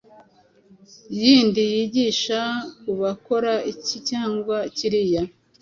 yindi yigisha kudakora iki cyangwa kiriya.